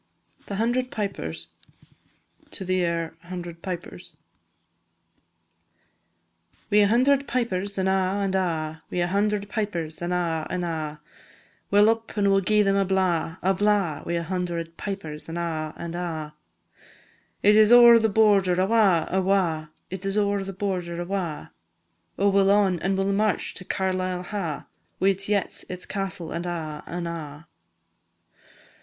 THE HUNDRED PIPERS. AIR "Hundred Pipers." Wi' a hundred pipers, an' a', an' a', Wi' a hundred pipers, an' a', an' a', We 'll up, and we 'll gi'e them a blaw, a blaw, Wi' a hundred pipers, an' a', an' a'. It is ower the border, awa', awa', It is ower the border, awa', awa', Oh, we 'll on, an' we 'll march to Carlisle ha', Wi' its yetts, its castel, an' a', an' a'.